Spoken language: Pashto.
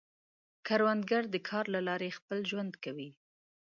کروندګر د کار له لارې خپل ژوند ښه کوي